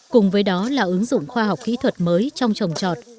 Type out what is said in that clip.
cùng với đó là ứng dụng khoa học kỹ thuật mới trong trồng trọt